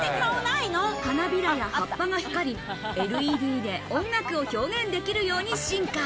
花びらや葉っぱが光り、ＬＥＤで音楽を表現できるように進化。